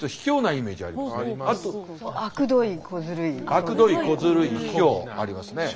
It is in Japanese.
あくどいこずるいひきょうありますね。